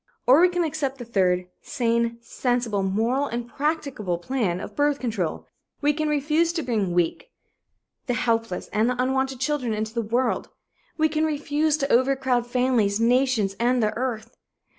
Or we can accept the third, sane, sensible, moral and practicable plan of birth control. We can refuse to bring weak, the helpless and the unwanted children into the world. We can refuse to overcrowd families, nations and the earth.